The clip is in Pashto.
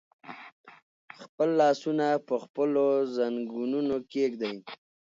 خپل لاسونه په خپلو زنګونونو کېږدئ.